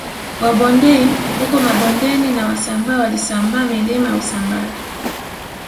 Wabondei huko Mabondeni na Wasambaa walisambaa milima ya Usambara